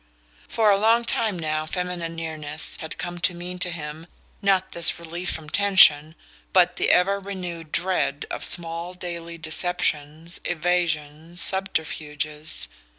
For a long time now feminine nearness had come to mean to him, not this relief from tension, but the ever renewed dread of small daily deceptions, evasions, subterfuges.